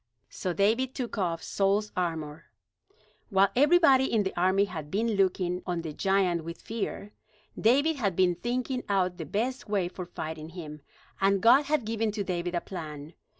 So David took off Saul's armor. While everybody in the army had been looking on the giant with fear, David had been thinking out the best way for fighting him; and God had given to David a plan.